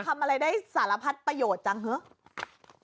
ทำอะไรได้สารพัดประโยชน์จังเถอะ